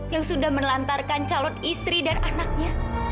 yang sudah menelantarkan calon istri dan anaknya